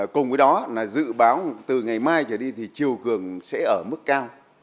cùng với đó là dự báo từ ngày mai trở đi thì chiều cường sẽ ở mức cao